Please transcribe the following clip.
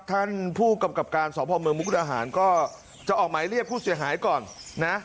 ท่านผู้กำกับการสพเมืองมุกดาหารก็จะออกหมายเรียกผู้เสียหายก่อนนะ